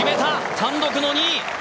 単独の２位。